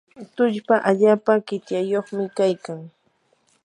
tullpa allapa qityayuqmi kaykan.